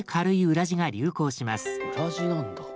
裏地なんだ。